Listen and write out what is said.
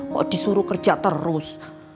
kok disuruh kerja terus